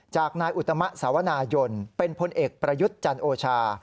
จากนายอุตมะสาวนายนเป็นพลเอกประยุทธ์จันโอชา